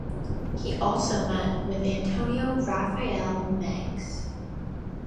He also met with Antonio Rafael Mengs.